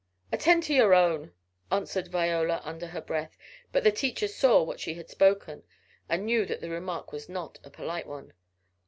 "Attend to your own," answered Viola under her breath, but the teacher saw that she had spoken, and knew that the remark was not a polite one.